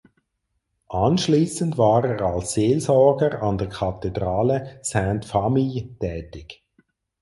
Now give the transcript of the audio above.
Anschließend war er als Seelsorger an der Kathedrale "Sainte Famille" tätig.